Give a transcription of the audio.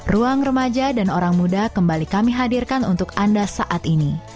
ruang remaja dan orang muda kembali kami hadirkan untuk anda saat ini